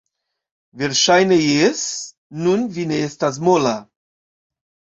Verŝajne jes... nun vi ne estas mola